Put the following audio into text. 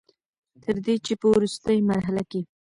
تر دې چې په ورورستۍ مرحله کښې